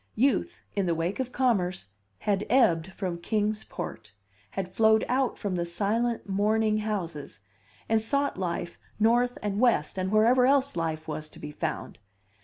Youth, in the wake of commerce, had ebbed from Kings Port, had flowed out from the silent, mourning houses, and sought life North and West, and wherever else life was to be found.